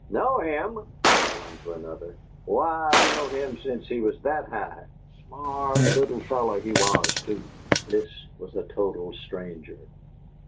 "KNOW him?" said one to another. "Why, I've knowed him sence he was that high! SMART little feller he was, too!" This was a total stranger.